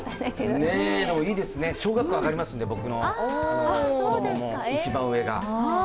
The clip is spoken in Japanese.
でもいいですね、小学校上がりますんで、僕の子供も一番上が。